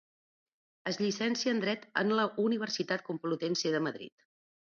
Es llicencia en Dret en la Universitat Complutense de Madrid.